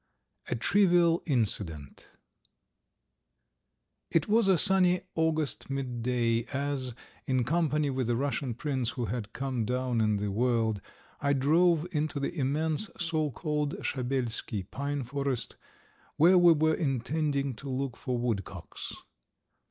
A TRIVIAL INCIDENT IT was a sunny August midday as, in company with a Russian prince who had come down in the world, I drove into the immense so called Shabelsky pine forest where we were intending to look for woodcocks.